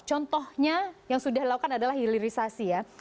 contohnya yang sudah dilakukan adalah hilirisasi ya